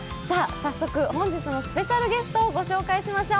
早速、本日のスペシャルゲストをご紹介しましょう。